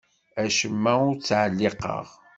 Acemma ur t-ttɛelliqeɣ.